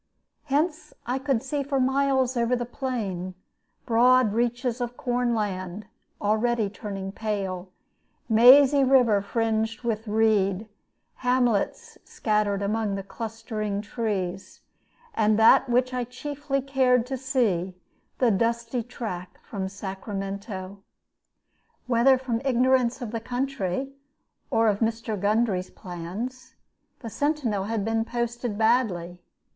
Hence I could see for miles over the plain broad reaches of corn land already turning pale, mazy river fringed with reed, hamlets scattered among clustering trees, and that which I chiefly cared to see, the dusty track from Sacramento. Whether from ignorance of the country or of Mr. Gundry's plans, the sentinel had been posted badly.